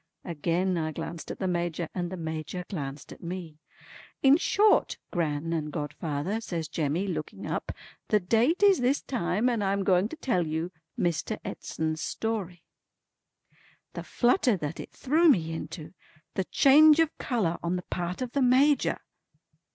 Again I glanced at the Major, and the Major glanced at me. "In short, Gran and godfather," says Jemmy, looking up, "the date is this time, and I'm going to tell you Mr. Edson's story." The flutter that it threw me into. The change of colour on the part of the Major!